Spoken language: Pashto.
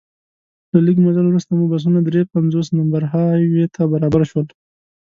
له لږ مزل وروسته مو بسونه درې پنځوس نمبر های وې ته برابر شول.